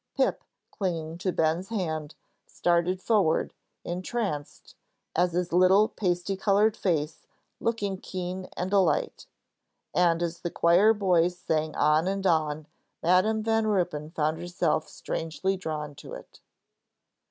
Pip, clinging to Ben's hand, started forward, entranced, his little pasty colored face looking keen and alight. And as the choir boys sang on and on, Madam Van Ruypen found herself strangely drawn to it.